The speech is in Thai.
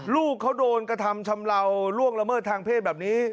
ลูกเขาโดนกระทำชำเลาล่วงละเมิดทางเพศแบบนี้